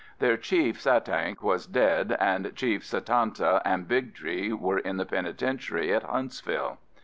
Their Chief Satank was dead and Chiefs Satanta and Big Tree were in the penitentiary at Huntsville.